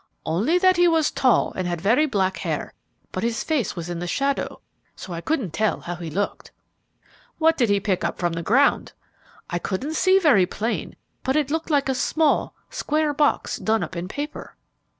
"Only that he was tall and had very black hair; but his face was in the shadow, so I couldn't tell how he looked." "What did he pick up from the ground?" "I couldn't see very plain, but it looked like a small, square box done up in paper."